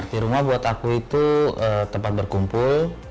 di rumah buat aku itu tempat berkumpul